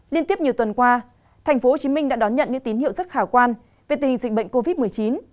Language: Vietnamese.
liên tiếp nhiều tuần qua tp hcm đã đón nhận những tín hiệu rất khả quan về tình dịch bệnh covid một mươi chín